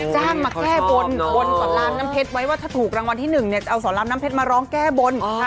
จ้างมาแก้บนบนสอนรามน้ำเพชรไว้ว่าถ้าถูกรางวัลที่๑เนี่ยจะเอาสอนรามน้ำเพชรมาร้องแก้บน